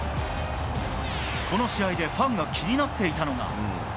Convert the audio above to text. この試合でファンが気になっていたのが。